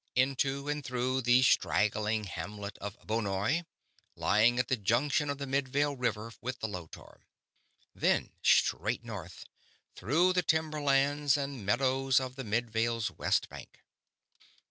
Into and through the straggling hamlet of Bonoy, lying at the junction of the Midvale River with the Lotar. Then straight north, through the timberlands and meadows of the Midvale's west bank.